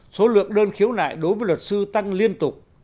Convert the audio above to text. số lượng đơn khiếu nại đối với luật sư tăng liên tục